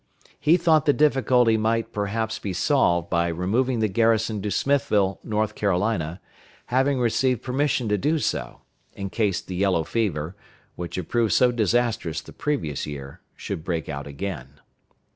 He thought the difficulty might perhaps be solved by removing the garrison to Smithville, North Carolina, having received permission to do so, in case the yellow fever, which had proved so disastrous the previous year, should break out again.